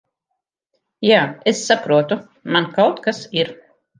Jā, es saprotu. Man kaut kas ir...